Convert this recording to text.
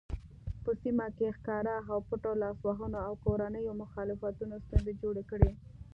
په سیمه کې ښکاره او پټو لاسوهنو او کورنیو مخالفتونو ستونزې جوړې کړې.